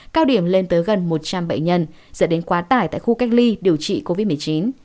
cao điểm lên tới gần một trăm linh bệnh nhân dẫn đến quá tải tại khu cách ly điều trị covid một mươi chín